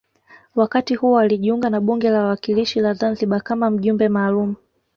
Wakati huo alijiunga na bunge la wawakilishi la Zanzibar kama mjumbe maalum